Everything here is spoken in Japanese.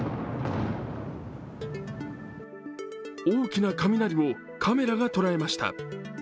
大きな雷をカメラがとらえました。